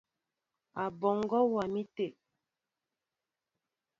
Aɓɔŋgɔ wá mi té.